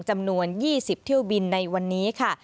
จำนวน๒๐เที่ยวบินในวันนี้ค่ะ